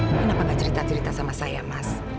ini kenapa gak cerita cerita sama saya mas